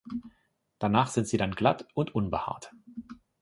Danach sind sie dann glatt und unbehaart.